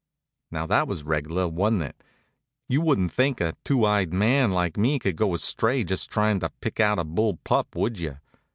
Now that was reg'lar, wa'n't it? You wouldn't think a two eyed man like me could go astray just tryin' to pick out a bull pup, would you?